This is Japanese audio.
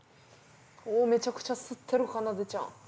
おおめちゃくちゃ吸ってるかなでちゃん。